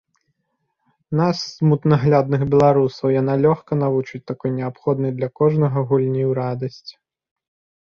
Нас, смутнаглядных беларусаў, яна лёгка навучыць такой неабходнай для кожнага гульні ў радасць.